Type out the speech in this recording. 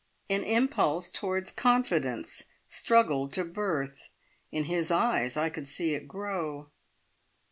An impulse towards confidence struggled to birth. In his eyes I could see it grow.